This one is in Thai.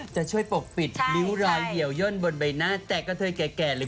จะช่วยปกปิดริ้วรอยเหี่ยวย่นบนใบหน้าแตกกระเทยแก่หรือ